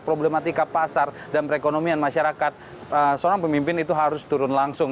problematika pasar dan perekonomian masyarakat seorang pemimpin itu harus turun langsung